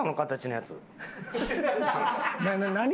何？